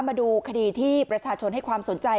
มาดูคดีที่ประชาชนให้ความสนใจ